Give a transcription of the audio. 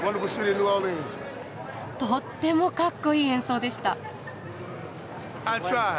とってもかっこいい演奏でした。